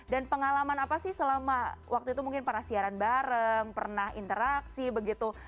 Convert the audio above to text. dan pengalaman apa sih selama waktu itu mungkin pernah siaran bareng pernah interaksi begitu